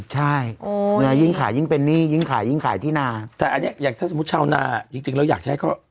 ใช่ยิ่งขายยิ่งเป็นหนี้ยิ่งขายยิ่งขายที่นาแต่อันนี้อย่างถ้าสมมุติชาวนาจริงเราอยากใช้เขา